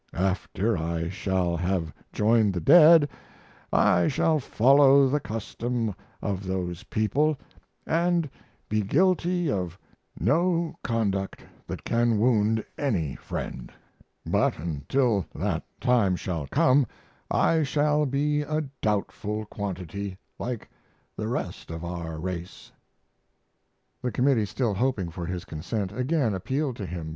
After I shall have joined the dead I shall follow the custom of those people, and be guilty of no conduct that can wound any friend; but until that time shall come I shall be a doubtful quantity, like the rest of our race. The committee, still hoping for his consent, again appealed to him.